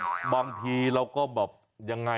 ก็บางทีเราก็บอกยังไงอะ